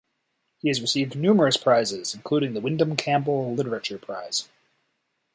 He has received numerous prizes including the Windham-Campbell Literature Prize.